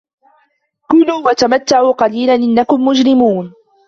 كلوا وتمتعوا قليلا إنكم مجرمون